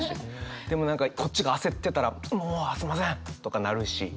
でもこっちが焦ってたら「もうあっすみません」とかなるし。